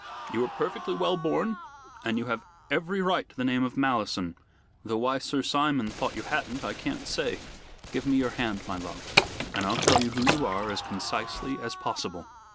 You are perfectly well born and you have every right to the name of Malleson, though why Sir Simon thought you hadn't I can't say. Give me your hand, my love, and I'll tell you who you are as concisely as possible."